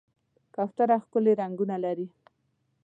کوتره ښکلي رنګونه لري.